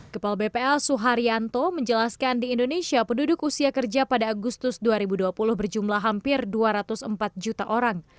kepala bpl suharyanto menjelaskan di indonesia penduduk usia kerja pada agustus dua ribu dua puluh berjumlah hampir dua ratus empat juta orang